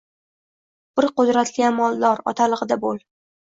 Bir qudratli amaldor... otalig‘ida bo‘l.